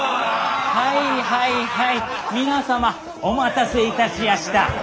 はいはいはい皆様お待たせいたしやした。